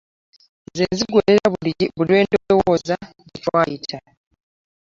Nze nzigwerera buli lwe ndowooza gye twayita.